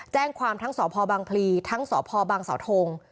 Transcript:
แจ้งความทั้งสพพลีทั้งสพสทง